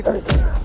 lo mau dian mau